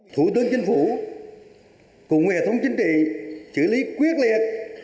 thủ tướng chính phủ cùng hệ thống chính trị xử lý quyết liệt